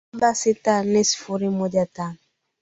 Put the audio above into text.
saba sita nne sifuri moja tano